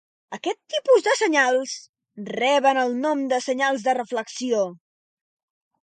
Aquest tipus de senyals reben el nom de senyals de reflexió.